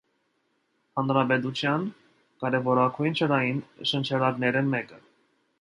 Հանրապետութեան կարեւորագոյն ջրային շնչերակներէն մէկը։